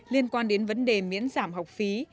liên quan đến vấn đề miễn giảm học phí